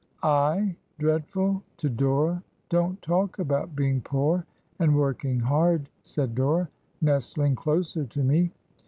7 dreadful! To Dora! 'Don't talk about being poor and working hard!' said Dora, nestling closer to me.